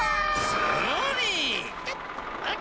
すごい。